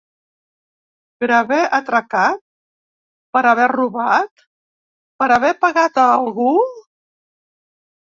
Per haver atracat, per haver robat, per haver pegat a algú?